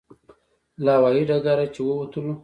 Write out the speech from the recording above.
له هوایي ډګره چې ووتلو.